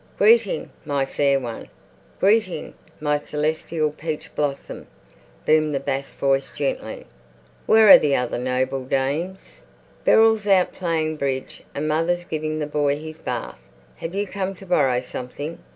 "Greeting, my Fair One! Greeting, my Celestial Peach Blossom!" boomed the bass voice gently. "Where are the other noble dames?" "Beryl's out playing bridge and mother's giving the boy his bath.... Have you come to borrow something?"